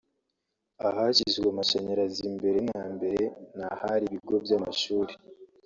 Ahashyizwe amashanyarazi mbere na mbere ni ahari ibigo by’amashuri